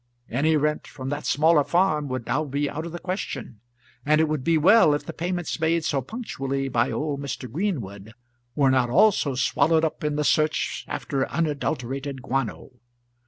Any rent from that smaller farm would now be out of the question, and it would be well if the payments made so punctually by old Mr. Greenwood were not also swallowed up in the search after unadulterated guano.